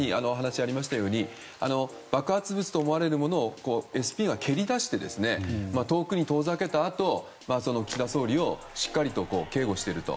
更に、爆発物と思われるものをＳＰが蹴り出して遠くに遠ざけたあと岸田総理をしっかりと警護していると。